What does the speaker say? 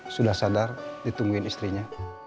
sudah sadar ditungguin istrinya